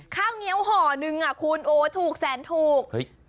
ข้าวเงี้ยวหอ๑คลุนโอ๋ถูกแสนถูก